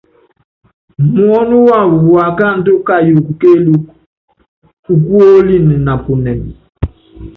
Muɔ́nɔ wawɔ wáakáandú kayuukɔ kéelúku, ukuɔ́líni napunɛ́m.